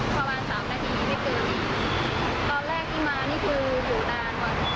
ประมาณสามนาทีไม่เกินนี่ตอนแรกที่มานี่คืออยู่นานกว่า